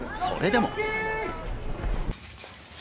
それでも。